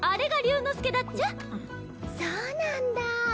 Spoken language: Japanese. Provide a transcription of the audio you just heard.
そうなんだぁ。